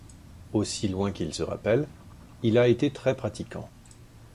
Aussi loin qu’il se rappelle, il a été très pratiquant.